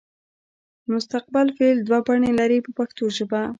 مستقبل فعل دوه بڼې لري په پښتو ژبه.